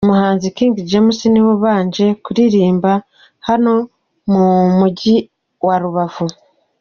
Umuhanzi King James niwe ubanje kuririmba hano mu mujyi wa Rubavu.